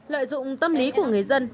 lợi dụng tâm lý của người dân